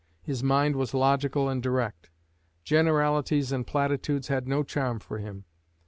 His mind was logical and direct. Generalities and platitudes had no charm for him.